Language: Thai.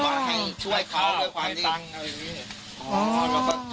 ถ้าคุณมาให้ช่วยเขาด้วยความต่างอะไรนี่